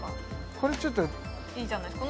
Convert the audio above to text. これちょっといいじゃないですか